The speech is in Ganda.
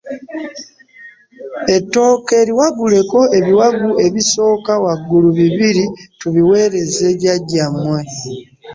Ettooke liwaguleko ebiwagu ebisooka waggulu bibiri tubiweereze jajja mmwe.